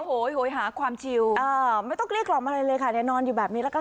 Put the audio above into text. สวโยยอยาความชีวอ่าไม่ต้องลีกลอมาอะไรเลยว่ะค่ะ